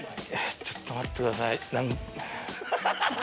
ちょっと待ってくださいハハハハ。